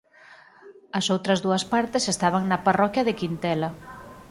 As outras dúas partes estaban na parroquia de Quintela.